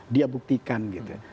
dia buktikan gitu ya